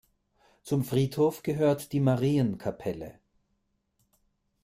Zum Friedhof gehört die Marienkapelle.